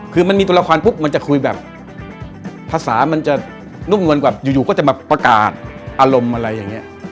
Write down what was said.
คือมันมีตัวละครปุ๊บมันจะคุยแบบภาษามันจะนุ่มนวลกว่าอยู่ก็จะมาประกาศอารมณ์อะไรอย่างนี้